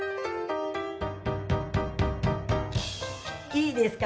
いいですか？